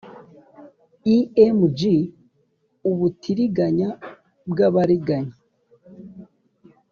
img ubutiriganya bw abariganya